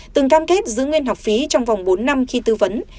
từng cam kết giữ nguyên học phí trong vòng bốn năm khi tư vấn